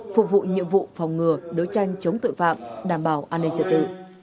phục vụ nhiệm vụ phòng ngừa đấu tranh chống tội phạm đảm bảo an ninh trật tự